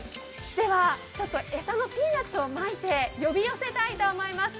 ではちょっと餌のピーナツをまいて呼び寄せたいと思います。